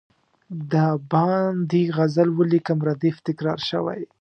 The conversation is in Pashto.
د باندي غزل ولیکم ردیف تکرار شوی.